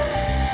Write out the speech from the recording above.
terima kasih bu